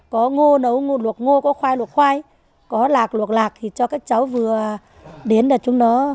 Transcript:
có ngô nấu ngô luộc ngô có khoai luộc khoai có lạc luộc lạc thì cho các cháu vừa đến là chúng nó